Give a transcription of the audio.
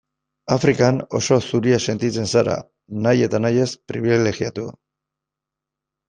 Afrikan oso zuria sentitzen zara, nahi eta nahi ez pribilegiatu.